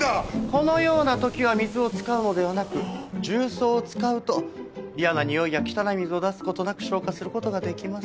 このような時は水を使うのではなく重曹を使うと嫌なにおいや汚い水を出す事なく消火する事ができます。